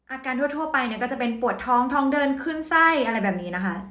ทั่วไปเนี่ยก็จะเป็นปวดท้องท้องเดินขึ้นไส้อะไรแบบนี้นะคะ